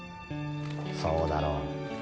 そうだろ。